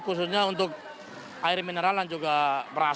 khususnya untuk air mineral dan juga beras